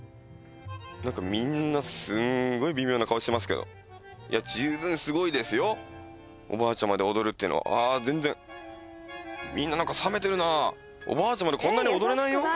何かみんなすんごい微妙な顔してますけどいや十分すごいですよおばあちゃまで踊るっていうのはああ全然みんな何かさめてるなおばあちゃまでこんなに踊れないよ？